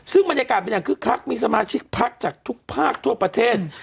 ซึ่งบรรยากาศเป็นอย่างคึกคักมีสมาชิกพักจากทุกภาคทั่วประเทศ